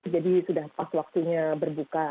jadi sudah pas waktunya berbuka